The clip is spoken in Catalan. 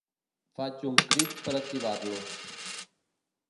Faig un crit per activar-los.